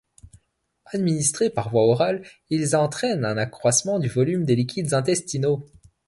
Administrés par voie orale, ils entraînent un accroissement du volume des liquides intestinaux.